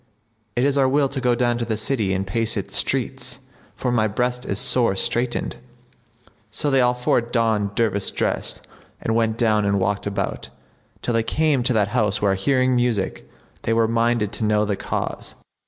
it is our will to go down to the city and pace its streets, for my breast is sore straitened." So they all four donned dervish dress and went down and walked about, till they came to that house where, hearing music, they were minded to know the cause.